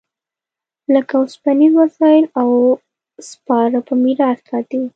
لکه اوسپنیز وسایل او سپاره په میراث پاتې و